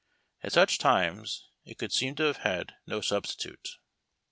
At such times it could seem to have had no substitute.